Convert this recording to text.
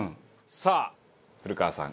さあ古川さん